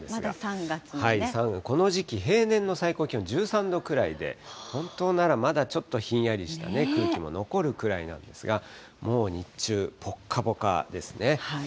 ３月、この時期平年の気温１３度くらいで、本当ならまだちょっとひんやりしたね、空気も残るくらいなんですが、もう日中、ぽっかぽかですね。